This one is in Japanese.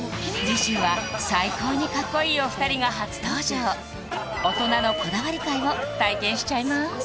次週は最高にかっこいいお二人が初登場大人のこだわり会を体験しちゃいます